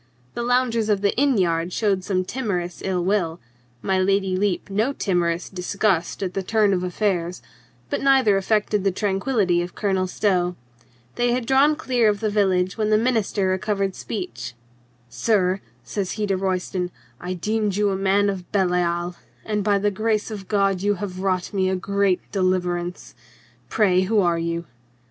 The loungers of the inn yard showed some timorous ill will, my Lady Lepe no timorous disgust at the turn of affairs, but neither affected the tran quillity of Colonel Stow. They had drawn clear of the village when the minister recovered speech. "Sir," says he to Royston, "I deemed you a man of Belial, and by the grace of God you have wrought me a great deliverance. Pray, who are you